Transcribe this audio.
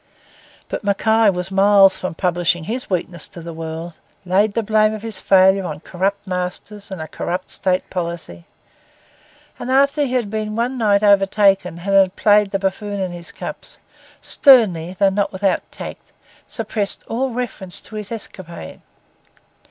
But Mackay was miles from publishing his weakness to the world; laid the blame of his failure on corrupt masters and a corrupt State policy; and after he had been one night overtaken and had played the buffoon in his cups, sternly, though not without tact, suppressed all reference to his escapade.